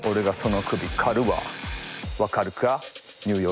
わかるか？